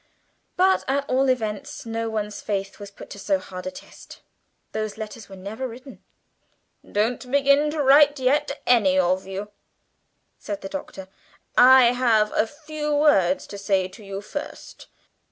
But, at all events, no one's faith was put to so hard a test those letters were never written. "Don't begin to write yet, any of you," said the Doctor; "I have a few words to say to you first.